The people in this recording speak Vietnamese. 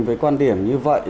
với quan điểm như vậy